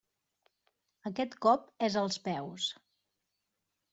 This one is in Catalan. Aquest cop és als peus.